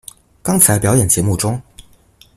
剛才表演節目中